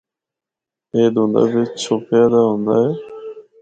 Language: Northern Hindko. اے دُھندا بچ چُھپیا دا ہوندا ہے۔